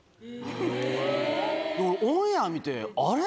俺オンエア見てあれ？